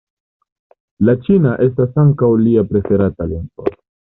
La ĉina estas ankaŭ lia preferata lingvo.